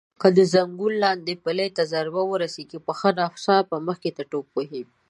که د زنګون لاندې پلې ته ضربه ورسېږي پښه ناڅاپي مخې ته ټوپ وهي.